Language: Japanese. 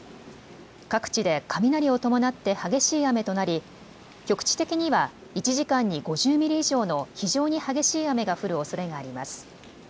各地で雷を伴って激しい雨となり局地的には１時間に５０ミリ以上の非常に激しい雨が降るおそれがあります。